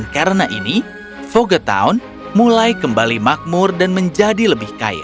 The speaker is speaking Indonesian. karena ini vogetown mulai kembali makmur dan menjadi lebih kaya